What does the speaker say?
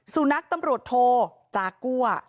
สุนัขตำรวจโทจากัว